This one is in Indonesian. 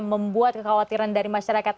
membuat kekhawatiran dari masyarakat